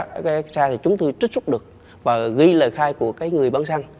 cái website thì chúng tôi trích xuất được và ghi lời khai của cái người bán xăng